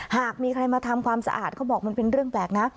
หากมีใครมาทำความสะอาดเขาบอกมันเป็นเรื่องแปลกนะ